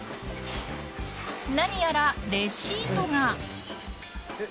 ［何やらレシートが］